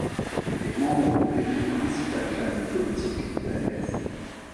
Il est membre de l’une des principales familles politiques libanaises.